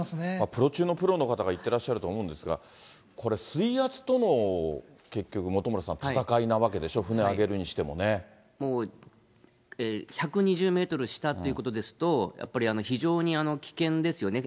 プロ中のプロの方が行ってらっしゃると思うんですが、これ、水圧との、結局、本村さん、戦いなわけでしょ、船揚げるにしてもね。もう１２０メートル下ということですと、やっぱり非常に危険ですよね。